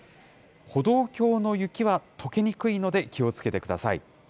歩道橋の雪はとけにくいので、気をつけてください。